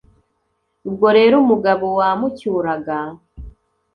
ubwo rero umugabo wamucyuraga